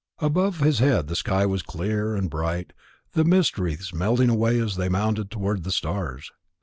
Above his head the sky was clear and bright, the mist wreaths melting away as they mounted towards the stars.